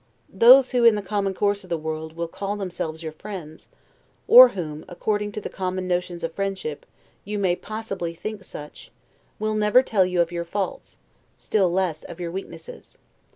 Those who, in the common course of the world, will call themselves your friends; or whom, according to the common notions of friendship, you may possibly think such, will never tell you of your faults, still less of your weaknesses.